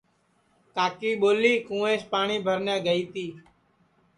کاکی ٻولی کُوینٚس پاٹؔی بھر نے گئی تی